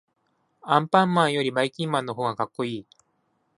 アンパンマンよりばいきんまんのほうがかっこいい。